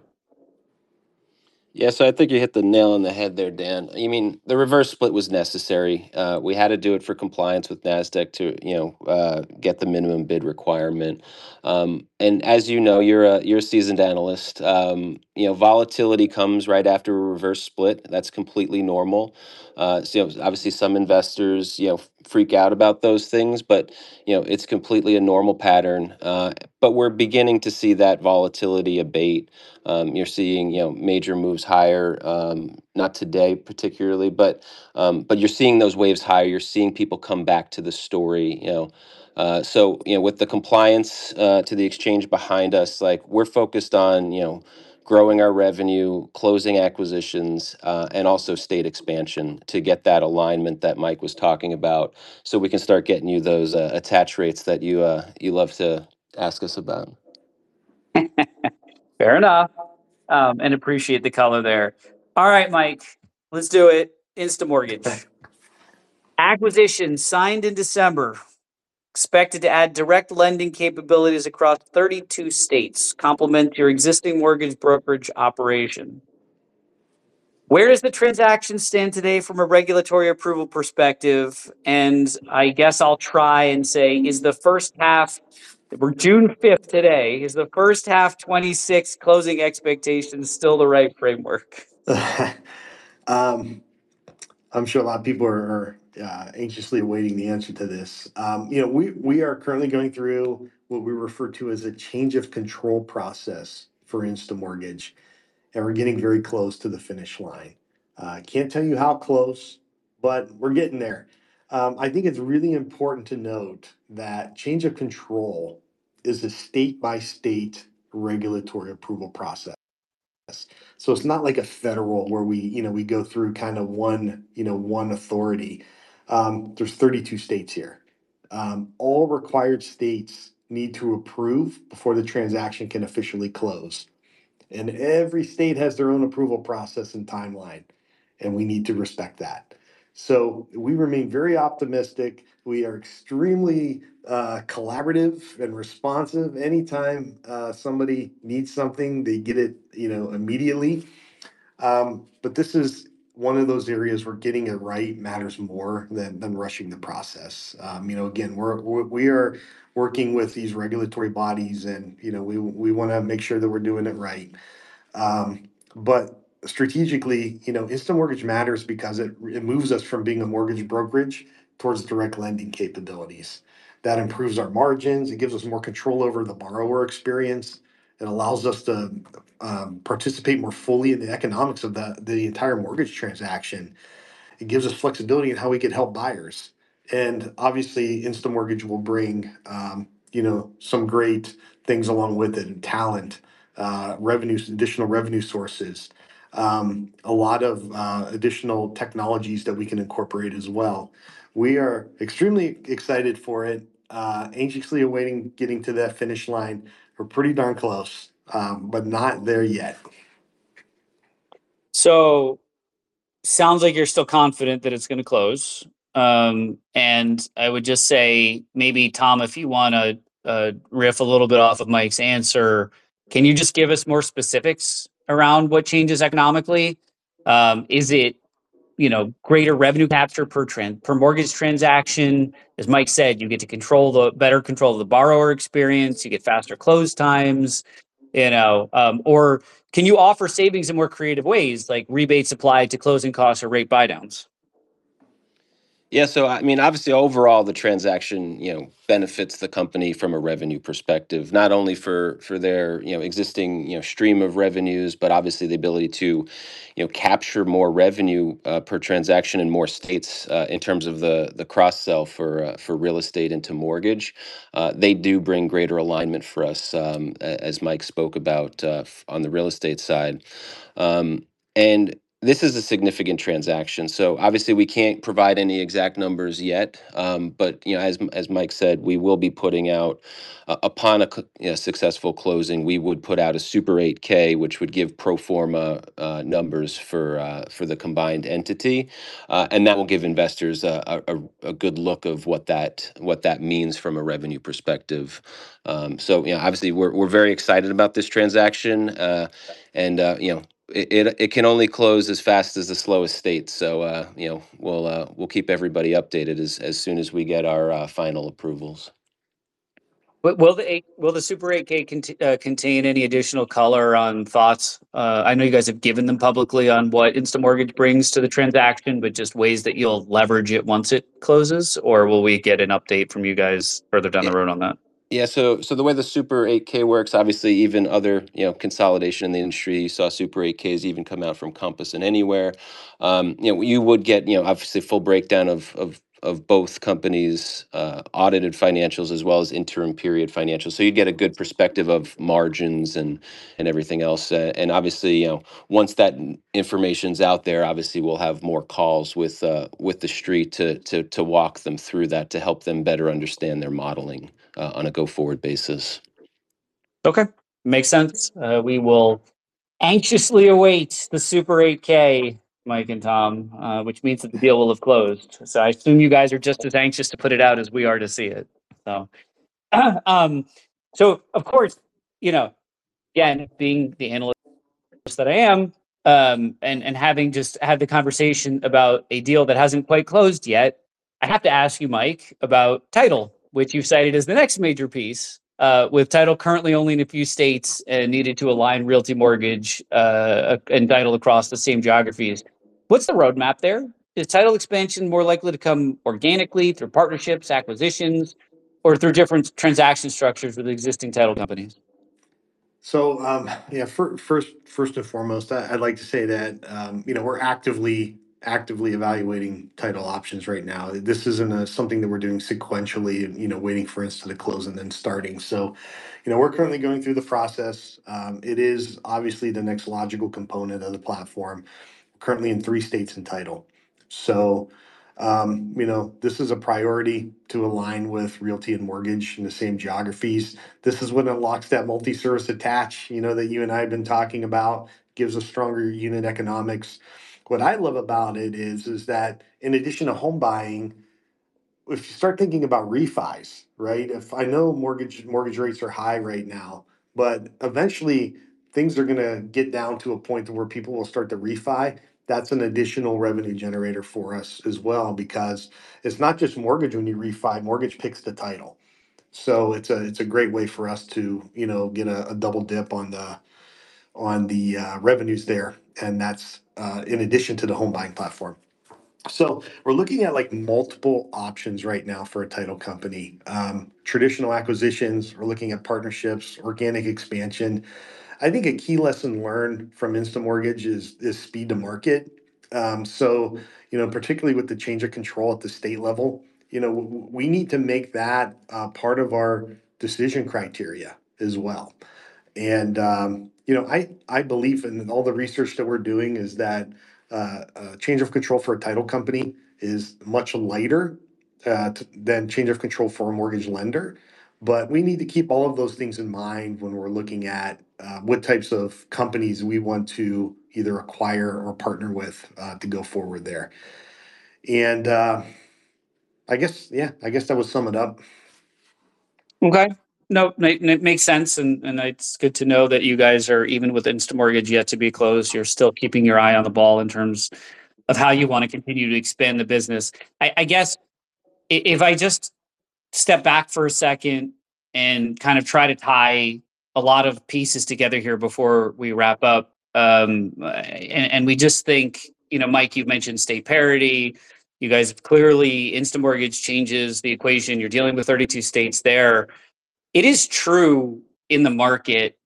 Yeah, I think you hit the nail on the head there, Dan. The reverse split was necessary. We had to do it for compliance with NASDAQ to get the minimum bid requirement. As you know, you're a seasoned analyst. Volatility comes right after a reverse split. That's completely normal. Obviously, some investors freak out about those things, but it's completely a normal pattern. We're beginning to see that volatility abate. You're seeing major moves higher. Not today particularly, but you're seeing those waves higher. You're seeing people come back to the story. With the compliance to the exchange behind us, we're focused on growing our revenue, closing acquisitions, and also state expansion to get that alignment that Mike was talking about so we can start getting you those attach rates that you love to ask us about. Fair enough. Appreciate the color there. All right, Mike, let's do it. InstaMortgage. Okay. Acquisition signed in December, expected to add direct lending capabilities across 32 states, complement your existing mortgage brokerage operation. Where does the transaction stand today from a regulatory approval perspective? I guess I'll try and say, we're June 5th today, is the first half 2026 closing expectation still the right framework? I'm sure a lot of people are anxiously awaiting the answer to this. We are currently going through what we refer to as a change of control process for InstaMortgage, and we're getting very close to the finish line. Can't tell you how close, but we're getting there. I think it's really important to note that change of control is a state-by-state regulatory approval process. It's not like a federal where we go through one authority. There's 32 states here. All required states need to approve before the transaction can officially close. Every state has their own approval process and timeline, and we need to respect that. We remain very optimistic. We are extremely collaborative and responsive. Anytime somebody needs something, they get it immediately. This is one of those areas where getting it right matters more than rushing the process. Again, we are working with these regulatory bodies and we want to make sure that we're doing it right. Strategically, InstaMortgage matters because it moves us from being a mortgage brokerage towards direct lending capabilities. That improves our margins, it gives us more control over the borrower experience. It allows us to participate more fully in the economics of the entire mortgage transaction. It gives us flexibility in how we can help buyers. Obviously, InstaMortgage will bring some great things along with it in talent, additional revenue sources, a lot of additional technologies that we can incorporate as well. We are extremely excited for it, anxiously awaiting getting to that finish line. We're pretty darn close, but not there yet. Sounds like you're still confident that it's going to close. I would just say, maybe Tom, if you want to riff a little bit off of Mike's answer, can you just give us more specifics around what changes economically? Is it greater revenue capture per mortgage transaction? As Mike said, you get to better control the borrower experience, you get faster close times. Can you offer savings in more creative ways, like rebates applied to closing costs or rate buydowns? Yeah. Obviously overall the transaction benefits the company from a revenue perspective, not only for their existing stream of revenues, but obviously the ability to capture more revenue per transaction in more states, in terms of the cross-sell for real estate into mortgage. They do bring greater alignment for us, as Mike spoke about on the real estate side. This is a significant transaction, obviously we can't provide any exact numbers yet. As Mike said, upon a successful closing, we would put out a Super 8-K, which would give pro forma numbers for the combined entity. That will give investors a good look of what that means from a revenue perspective. Yeah, obviously we're very excited about this transaction. It can only close as fast as the slowest state. We'll keep everybody updated as soon as we get our final approvals. Will the Super 8-K contain any additional color on thoughts? I know you guys have given them publicly on what InstaMortgage brings to the transaction, but just ways that you'll leverage it once it closes, or will we get an update from you guys further down the road on that? Yeah. The way the Super 8-K works, obviously even other consolidation in the industry, you saw Super 8-Ks even come out from Compass and Anywhere. You would get, obviously, full breakdown of both companies' audited financials as well as interim period financials. You'd get a good perspective of margins and everything else. Obviously, once that information's out there, obviously we'll have more calls with the Street to walk them through that to help them better understand their modeling on a go-forward basis. Okay. Makes sense. We will anxiously await the Super 8-K, Mike and Tom, which means that the deal will have closed. I assume you guys are just as anxious to put it out as we are to see it. Of course, again, being the analyst that I am, and having just had the conversation about a deal that hasn't quite closed yet, I have to ask you, Mike, about title, which you've cited as the next major piece. With title currently only in a few states and needed to align realty mortgage and title across the same geographies, what's the roadmap there? Is title expansion more likely to come organically through partnerships, acquisitions, or through different transaction structures with existing title companies? Yeah, first and foremost, I'd like to say that we're actively evaluating title options right now. This isn't something that we're doing sequentially and waiting for InstaMortgage to close and then starting. We're currently going through the process. It is obviously the next logical component of the platform, currently in three states in title. This is a priority to align with reAlpha Tech and mortgage in the same geographies. This is what unlocks that multi-service attach that you and I have been talking about, gives us stronger unit economics. What I love about it is that in addition to home buying, if you start thinking about refis, right? I know mortgage rates are high right now, but eventually things are going to get down to a point to where people will start to refi. That's an additional revenue generator for us as well, because it's not just mortgage when you refi. Mortgage picks the title. It's a great way for us to get a double dip on the revenues there. That's in addition to the home buying platform. We're looking at multiple options right now for a title company. Traditional acquisitions, we're looking at partnerships, organic expansion. I think a key lesson learned from InstaMortgage is speed to market. Particularly with the change of control at the state level, we need to make that a part of our decision criteria as well. I believe in all the research that we're doing is that a change of control for a title company is much lighter than change of control for a mortgage lender. We need to keep all of those things in mind when we're looking at what types of companies we want to either acquire or partner with to go forward there. I guess that would sum it up. Okay. No, it makes sense. It's good to know that you guys are, even with InstaMortgage yet to be closed, you're still keeping your eye on the ball in terms of how you want to continue to expand the business. I guess, if I just step back for a second and try to tie a lot of pieces together here before we wrap up. We just think, Mike, you've mentioned state parity. You guys have clearly InstaMortgage changes the equation. You're dealing with 32 states there. It is true in the market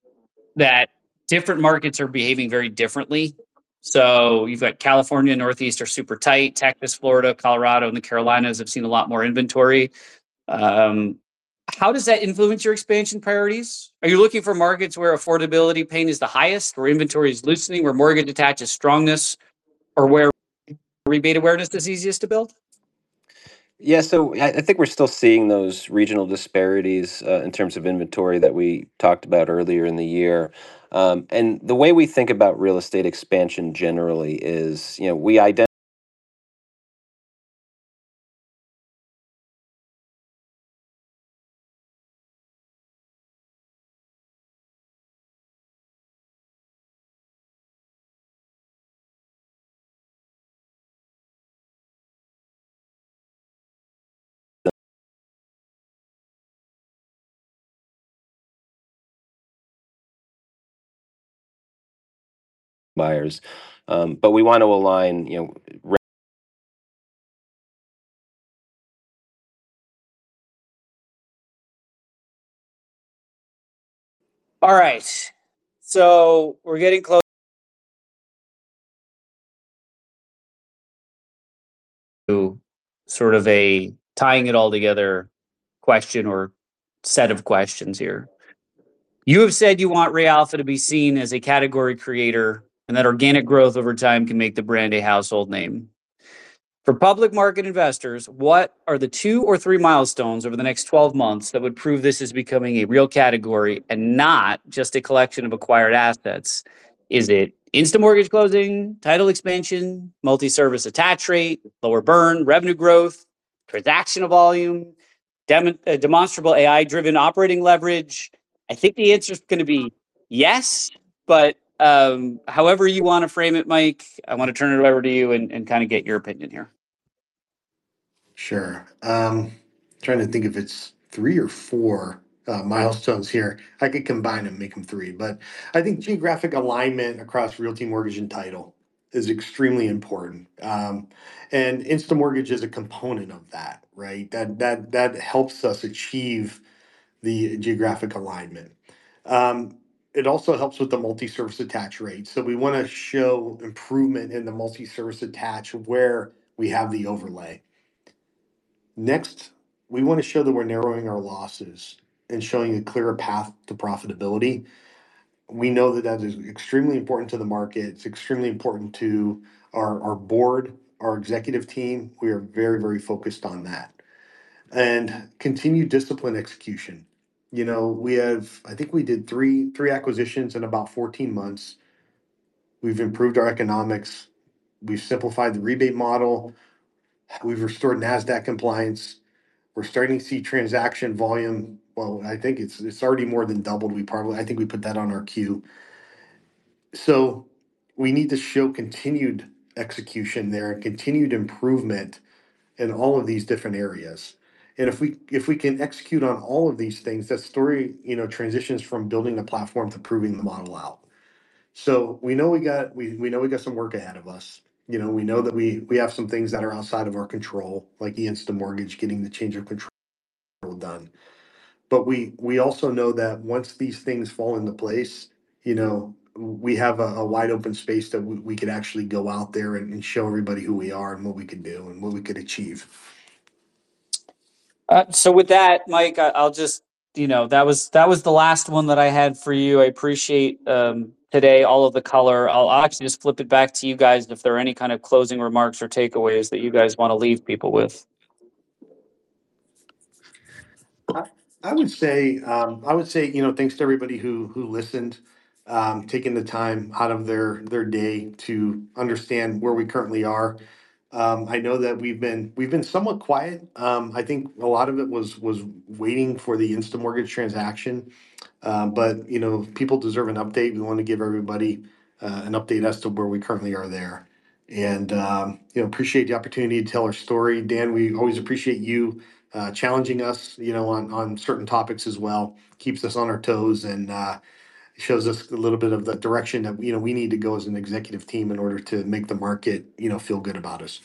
that different markets are behaving very differently. You've got California, Northeast are super tight. Texas, Florida, Colorado, and the Carolinas have seen a lot more inventory. How does that influence your expansion priorities? Are you looking for markets where affordability pain is the highest, where inventory is loosening, where mortgage attach is strongest, or where rebate awareness is easiest to build? Yeah, I think we're still seeing those regional disparities, in terms of inventory that we talked about earlier in the year. The way we think about real estate expansion generally is, we identify buyers. We want to align. All right. We're getting close to sort of tying it all together question or set of questions here. You have said you want reAlpha to be seen as a category creator, and that organic growth over time can make the brand a household name. For public market investors, what are the two or three milestones over the next 12 months that would prove this is becoming a real category and not just a collection of acquired assets? Is it InstaMortgage closing, title expansion, multi-service attach rate, lower burn, revenue growth, transaction of volume, demonstrable AI-driven operating leverage? I think the answer's going to be yes, but, however you want to frame it, Mike, I want to turn it over to you and kind of get your opinion here. Sure. Trying to think if it's three or four milestones here. I could combine them, make them three. I think geographic alignment across realty, mortgage, and title is extremely important. InstaMortgage is a component of that, right? That helps us achieve the geographic alignment. It also helps with the multi-service attach rate. We want to show improvement in the multi-service attach where we have the overlay. Next, we want to show that we're narrowing our losses and showing a clearer path to profitability. We know that that is extremely important to the market. It's extremely important to our board, our executive team. We are very focused on that. Continued disciplined execution. I think we did three acquisitions in about 14 months. We've improved our economics. We've simplified the rebate model. We've restored NASDAQ compliance. We're starting to see transaction volume. Well, I think it's already more than doubled. I think we put that on our 10-Q. We need to show continued execution there and continued improvement in all of these different areas. If we can execute on all of these things, that story transitions from building the platform to proving the model out. We know we got some work ahead of us. We know that we have some things that are outside of our control, like the InstaMortgage, getting the change of control done. We also know that once these things fall into place, we have a wide-open space that we could actually go out there and show everybody who we are and what we can do and what we could achieve. With that, Mike, that was the last one that I had for you. I appreciate today all of the color. I'll actually just flip it back to you guys if there are any kind of closing remarks or takeaways that you guys want to leave people with. I would say thanks to everybody who listened, taking the time out of their day to understand where we currently are. I know that we've been somewhat quiet. I think a lot of it was waiting for the InstaMortgage transaction. People deserve an update. We want to give everybody an update as to where we currently are there. Appreciate the opportunity to tell our story. Dan, we always appreciate you challenging us on certain topics as well. Keeps us on our toes and shows us a little bit of the direction that we need to go as an executive team in order to make the market feel good about us.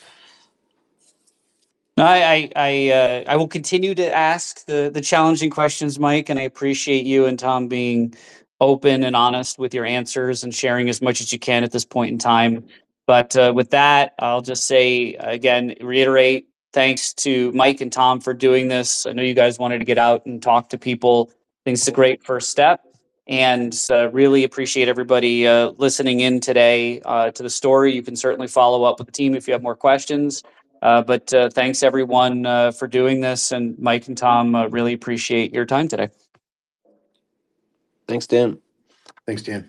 I will continue to ask the challenging questions, Mike, and I appreciate you and Tom being open and honest with your answers and sharing as much as you can at this point in time. With that, I'll just say, again, reiterate, thanks to Mike and Tom for doing this. I know you guys wanted to get out and talk to people. Think this is a great first step, and really appreciate everybody listening in today to the story. You can certainly follow up with the team if you have more questions. Thanks everyone for doing this, and Mike and Tom, really appreciate your time today. Thanks, Dan. Thanks, Dan.